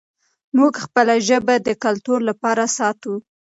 موږ خپله ژبه د کلتور لپاره ساتو.